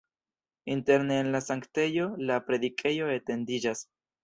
Interne en la sanktejo la predikejo etendiĝas.